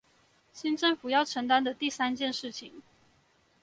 新政府要承擔的第三件事情